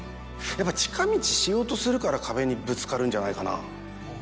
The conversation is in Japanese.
やっぱ近道しようとするから壁にぶつかるんじゃないかな。